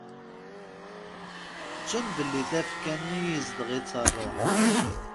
Ttun belli tafekka-nni izdeɣ-itt rruḥ.